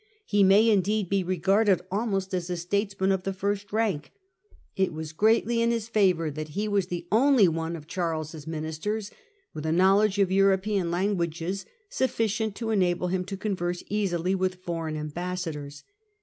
He may indeed be regarded almost as a statesman of the first rank. It was greatly in his favour that he was the only one of Charles's ministers with a knowledge of European languages sufficient to enable him to converse easily with foreign ambassadors.